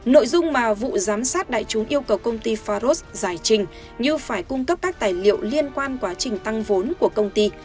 nội dung mà vụ giám sát đại chúng yêu cầu công ty faros giải trình như phải cung cấp các tài liệu liên quan quá trình tăng vốn của công ty